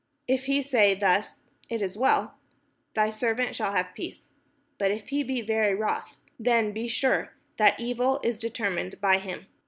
If he say thus, It is well; thy servant shall have peace: but if he be very wroth, then be sure that evil is determined by him.